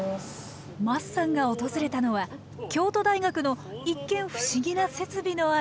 桝さんが訪れたのは京都大学の一見ふしぎな設備のある研究室。